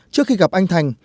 trước khi gặp anh thành